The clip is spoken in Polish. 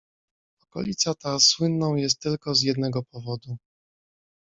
"Okolica ta słynną jest tylko z jednego powodu."